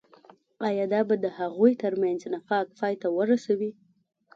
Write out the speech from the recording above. آيا دا به د هغوي تر منځ نفاق پاي ته ورسوي.